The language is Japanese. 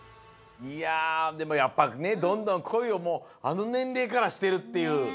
いやでもやっぱねどんどん恋をもうあのねんれいからしてるっていう。